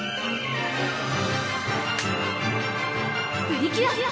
プリキュア！